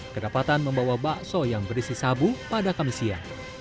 kedapatan membawa bakso yang berisi sabu pada kamis siang